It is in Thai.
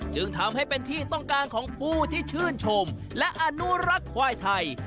จึงทำให้เป็นที่ต้องการของผู้ที่ชื่นชมและอนุรักษ์ควายไทย